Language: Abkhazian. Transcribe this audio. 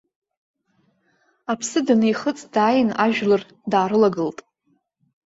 Аԥсы данихыҵ, дааин ажәлар даарылагылт.